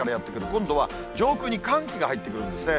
今度は上空の寒気が入ってくるんですね。